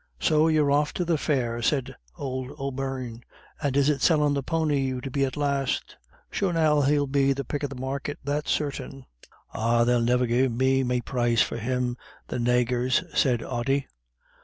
"So you're off to the fair," said old O'Beirne. "And is it sellin' the pony you'd be at last? Sure, now, he'll be the pick of the market, that's sartin." "Ah, they'll niver give me me price for him, the naygurs," said Ody.